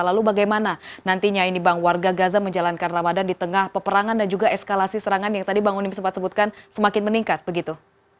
lalu bagaimana nantinya ini bang warga gaza menjalankan ramadan di tengah peperangan dan juga eskalasi serangan yang tadi bang onim sempat sebutkan semakin meningkat begitu